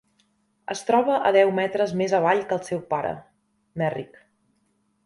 Es troba a deu metres més avall que el seu pare, Merrick.